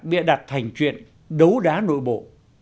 bịa đặt thành chuyện đấu đá nội bộ